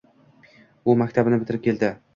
U maktabni bitirib ketdi...